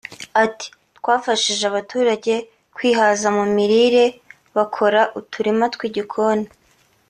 Ati” Twafashije abaturage kwihaza mu mirire bakora uturima tw’igikoni